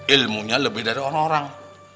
ilmunya lebih dari orang orang